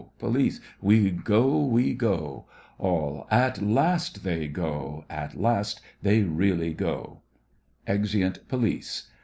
POLICE: We go, we go ALL: At last they go! At last they really go! (Exeunt POLICE.